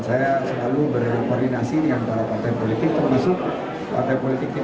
saya selalu berkoordinasi dengan para partai politik